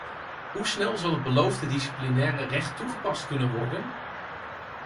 Hoe snel zal het beloofde disciplinaire recht toegepast kunnen worden?